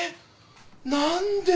何で？